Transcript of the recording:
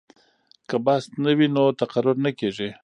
که بست نه وي نو تقرر نه کیږي.